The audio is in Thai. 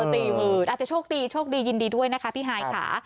อ่อ๔๐๐๐๐บาทอาจจะโชคดีโชคดียินดีด้วยนะคะพี่ฮายค่ะ